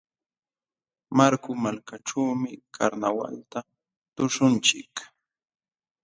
Marku malkaćhuumi karnawalta tuśhunchik.